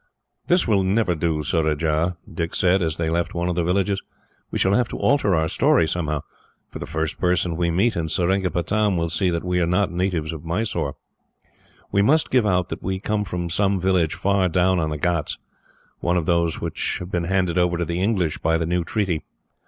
"This will never do, Surajah," Dick said, as they left one of the villages. "We shall have to alter our story somehow, for the first person we meet, in Seringapatam, will see that we are not natives of Mysore. We must give out that we come from some village far down on the ghauts one of those which have been handed over to the English by the new treaty.